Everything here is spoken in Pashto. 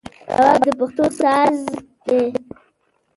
رباب د پښتو ساز دی